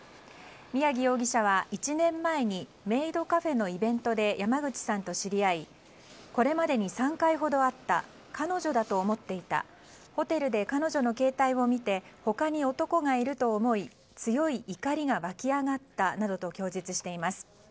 宮城容疑者は１年前にメイドカフェのイベントで山口さんと知り合いこれまでに３回ほど会った彼女だと思っていたホテルで彼女の携帯を見て他に男がいると思い強い怒りが沸き上がったなどと供述しています。